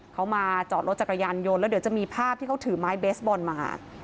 เขามาจอดรถจักรยานยนต์แล้วเดี๋ยวจะมีภาพที่เขาถือไม้เบสบอลมา